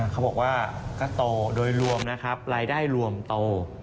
เขาบอกว่าก็โตโดยรวมนะครับรายได้รวมโต